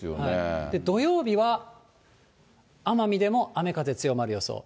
土曜日は奄美でも雨風強まる予想。